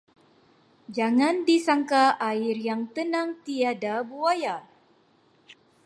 Jangan disangka air yang tenang tiada buaya.